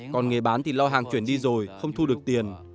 còn người bán thì lo hàng chuyển đi rồi không thu niệm